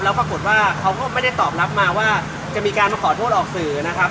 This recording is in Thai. แล้วปรากฏว่าเขาก็ไม่ได้ตอบรับมาว่าจะมีการมาขอโทษออกสื่อนะครับ